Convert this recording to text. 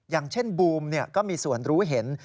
อย่างเช่นบูมก็มีส่วนรู้เห็น